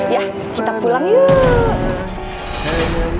yah kita pulang yuk